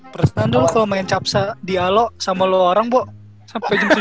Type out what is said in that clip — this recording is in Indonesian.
perasaan dulu kalo main capsa di alo sama lu orang boh sampe jam tujuh pagi